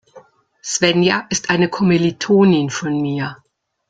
Svenja ist eine Kommilitonin von mir.